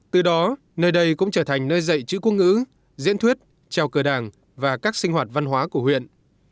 từ đó nơi đây cũng trở thành nơi dạy chữ quốc ngữ diễn thuyết trèo cờ đảng và các sinh hoạt văn hóa của huyện